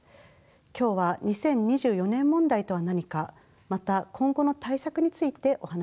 今日は２０２４年問題とは何かまた今後の対策についてお話しいたします。